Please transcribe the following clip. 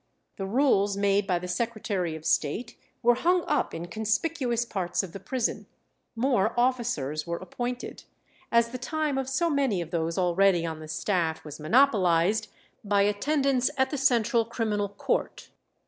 The rules made by the Secretary of State were hung up in conspicuous parts of the prison; more officers were appointed, as the time of so many of those already on the staff was monopolized by attendance at the Central Criminal Court.